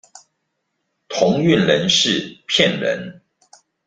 同運人士騙人